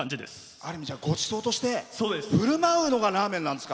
ある意味ごちそうとしてふるまうのがラーメンなんですか。